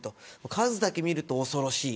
数だけ見ると恐ろしい。